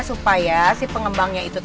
supaya si pengembangnya itu